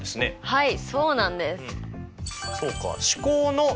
はい。